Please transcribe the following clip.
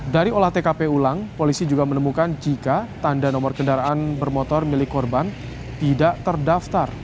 dari olah tkp ulang polisi juga menemukan jika tanda nomor kendaraan bermotor milik korban tidak terdaftar